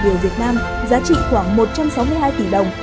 về việt nam giá trị khoảng một trăm sáu mươi hai tỷ đồng